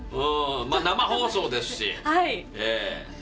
生放送ですし。